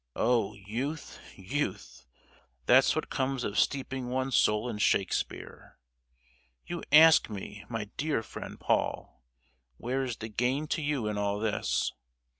"Oh! youth, youth! That's what comes of steeping one's soul in Shakespeare! You ask me, my dear friend Paul, where is the gain to you in all this.